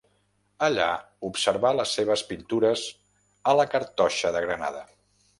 Allà observà les seves pintures a la cartoixa de Granada.